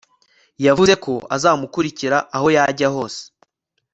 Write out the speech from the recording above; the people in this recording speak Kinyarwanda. yavuze ko azamukurikira aho yajya hose